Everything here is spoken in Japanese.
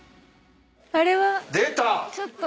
あれは。